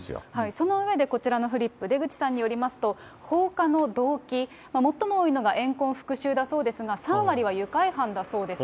その上で、こちらのフリップ、出口さんによりますと、放火の動機、最も多いのが怨恨、復しゅうだそうですが、３割は愉快犯だそうです。